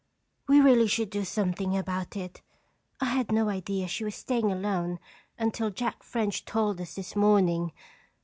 "We really should do something about it. I had no idea she was staying alone until Jack French told us this morning.